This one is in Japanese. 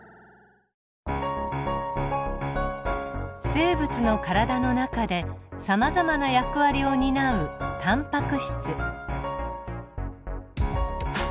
生物の体の中でさまざまな役割を担うタンパク質。